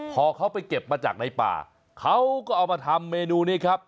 พอเขาไปเก็บมาจากในป่าเขาก็เอามาทำเมนูนี้ครับ